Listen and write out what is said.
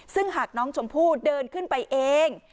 ซึ่งหากน้องชมพู่เดินขึ้นไปเอง